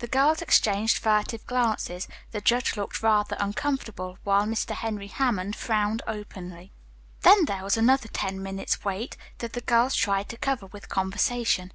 The girls exchanged furtive glances, the judge looked rather uncomfortable, while Mr. Henry Hammond frowned openly. Then there was another ten minutes' wait, that the girls tried to cover with conversation.